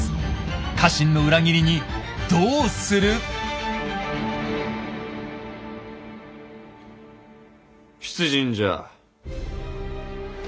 家臣の裏切りにどうする⁉出陣じゃ。